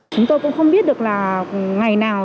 chúng tôi cũng không biết được là ngày nào